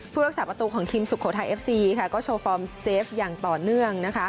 รักษาประตูของทีมสุโขทัยเอฟซีก็โชว์ฟอร์มเซฟอย่างต่อเนื่อง